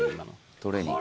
トレーニング。